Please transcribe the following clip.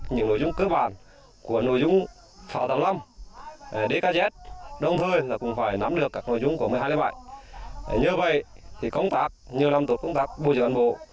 như vậy công tác như năm tốt công tác bôi trường đoàn bộ